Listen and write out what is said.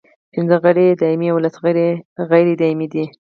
پنځه غړي یې دایمي او لس غیر دایمي دي.